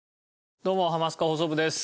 どうも『ハマスカ放送部』です。